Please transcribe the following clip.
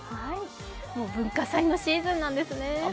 もう文化祭のシーズンなんですね。